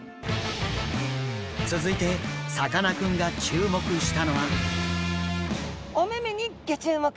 続いてさかなクンが注目したのは。